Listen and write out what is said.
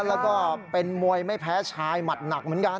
แล้วก็เป็นมวยไม่แพ้ชายหมัดหนักเหมือนกัน